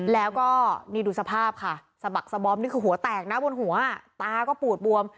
แล้วก็นี่ดูสภาพค่ะสะบักสบอมนี่คือหัวแตกนะบนหัวตาก็ปูดบวม